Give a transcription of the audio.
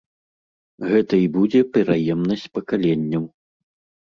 Гэта і будзе пераемнасць пакаленняў.